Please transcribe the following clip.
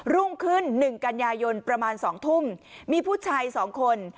รุ่งขึ้น๑กันยายนประมาณ๒ทุ่มมีผู้ชาย๒คน